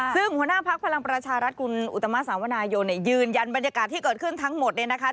ซึ่งหัวหน้าพักพลังประชารัฐคุณอุตมาสาวนายนเนี่ยยืนยันบรรยากาศที่เกิดขึ้นทั้งหมดเนี่ยนะคะ